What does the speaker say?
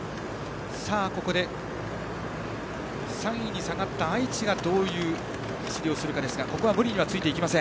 ここで３位に下がった愛知がどういう走りをするかですがここは無理にはついていきません。